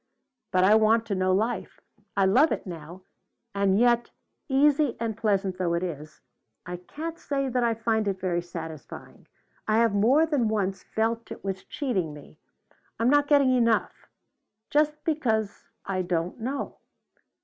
But I want to know life. I love it now, and yet, easy and pleasant though it is, I can't say that I find it very satisfying. I have more than once felt it was cheating me. I'm not getting enough just because I don't know.